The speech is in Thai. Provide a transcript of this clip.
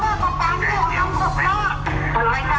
เจ้าตายเดียวบางทีหกรอบร้อย